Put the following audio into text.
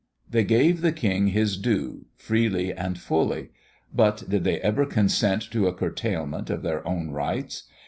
They gave the king his due, freely and fully. But did they ever consent to a curtailment of their own rights?